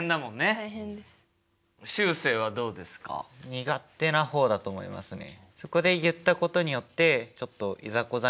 苦手な方だと思いますね。